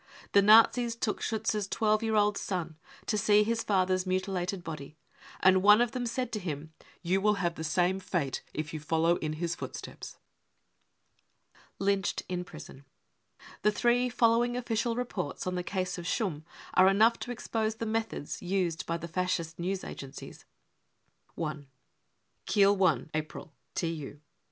The Nazis took Schiitz's twelve year old son to see his father's mutilated body, and one of them said to him :" You will have^the same fate if you follow in his footsteps." Lynched in Prison. The three following official reports on the case of Schumm are enough to expose the methods used by the Fascist news agencies : I " Kiel, i April (TU.)